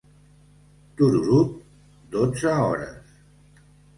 Tururut, dotze hores!